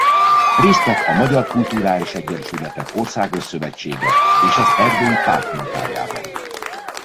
Részt vett a Magyar Kulturális Egyesületek Országos Szövetsége és az Erdélyi Párt munkájában.